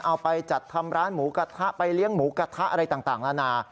เอาไปจัดทำร้านหมูกระทะไปเลี้ยงหมูกระทะอะไรต่างนานา